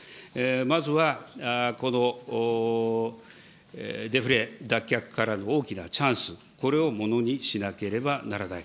まずはこのデフレ脱却からの大きなチャンス、これをものにしなければならない。